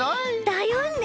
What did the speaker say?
だよね。